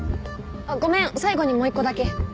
ごめん最後にもう一個だけ。